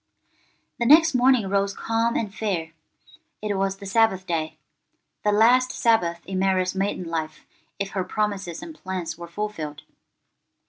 THE next morning rose calm and fair. It was the Sabbath day; the last Sabbath in Mary's maiden life if her promises and plans were fulfilled.